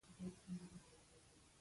رومیان له خوږو سره ګډ نه دي